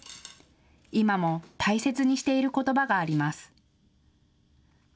今も大切にしていることばがあります。